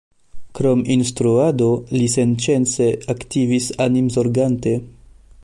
Krom instruado li senĉese aktivis animzorgante.